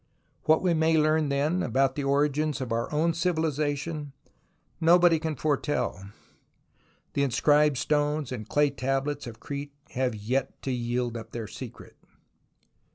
What we may learn then about the origins of our own civilization, nobody can foretell. The inscribed stones and clay tablets of Crete have yet to yield up their secret.